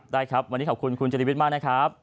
ได้ครับวันนี้ขอบคุณคุณจริวิทย์มากนะครับ